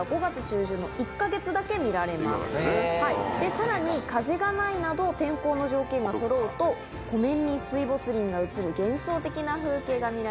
さらに風がないなど天候の条件がそろうと湖面に水没林が映る幻想的な風景が見られますね。